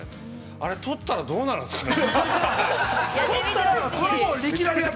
あれ、取ったらどうなるんですかね。